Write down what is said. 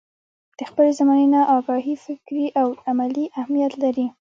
له خپلې زمانې نه اګاهي فکري او عملي اهميت لري.